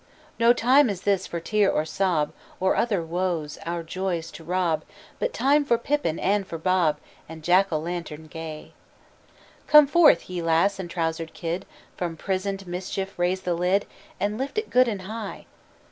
No time is this for tear or sob, Or other woes our joys to rob, But time for Pippin and for Bob, And Jack o' lantern gay. Come forth, ye lass and trousered kid, From prisoned mischief raise the lid, And lift it good and high.